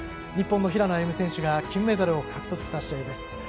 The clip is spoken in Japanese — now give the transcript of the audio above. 日本の平野歩夢選手が金メダルを獲得した試合です。